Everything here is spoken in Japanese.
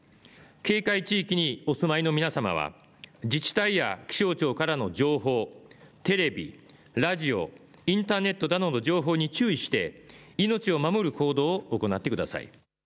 警戒地域にお住まいの皆さんは自治体や気象庁からの情報、テレビ、ラジオ、インターネットなどの情報に注意して命を守る行動を行ってください。